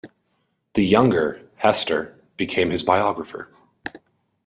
The younger, Hester, became his biographer.